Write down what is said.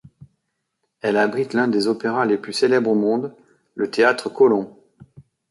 Elle abrite l'un des opéras les plus célèbres au monde, le théâtre Colón.